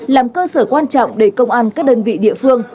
làm cơ sở quan trọng để công an các đơn vị địa phương